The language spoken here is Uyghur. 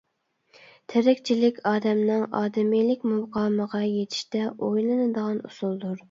تىرىكچىلىك ئادەمنىڭ ئادىمىيلىك مۇقامىغا يېتىشتە ئوينىلىدىغان ئۇسۇلدۇر.